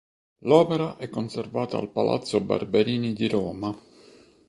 L'opera è conservata al Palazzo Barberini di Roma.